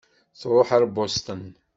Tṛuḥ ar Boston.